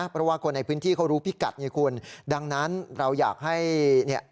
เพราะว่าคนในพื้นที่เขารู้พิกัดไงคุณดังนั้นเราอยากให้เนี่ย